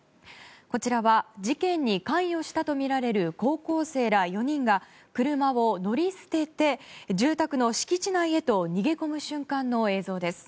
こちらは事件に関与したとみられる高校生ら４人が車を乗り捨てて住宅の敷地内へと逃げ込む瞬間の映像です。